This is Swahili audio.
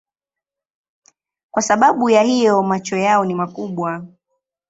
Kwa sababu ya hiyo macho yao ni makubwa.